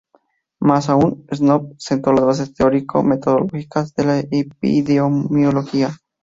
Más aún, Snow sentó las bases teórico-metodológicas de la epidemiología.